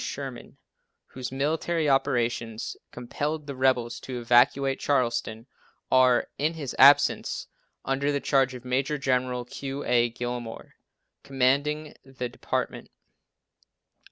Sherman, whose military operations compelled the rebels to evacuate Charleston, or, in his absence, under the charge of Major General Q. A. Gillmore, commanding the department.